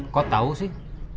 kok tau sih